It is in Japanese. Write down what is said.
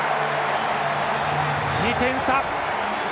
２点差！